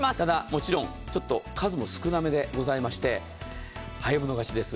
もちろんちょっと数も少なめでございまして、早い者勝ちです。